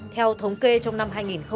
theo thống kê trong năm hai nghìn hai mươi ba